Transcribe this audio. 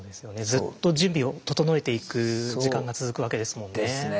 ずっと準備を整えていく時間が続くわけですもんね。ですね。